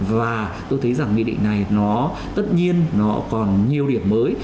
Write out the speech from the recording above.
và tôi thấy rằng nghị định này nó tất nhiên nó còn nhiều điểm mới